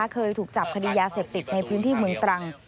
เคยถูกจับคดียาเสพติดในพื้นที่เมืองตรัง